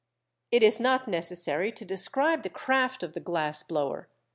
It is not necessary to describe the craft of the glass blower.